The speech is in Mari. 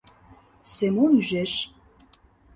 — Семон ӱжеш.